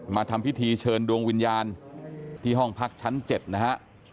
ทำพิธีเชิญดวงวิญญาณที่ห้องพักชั้น๗นะฮะ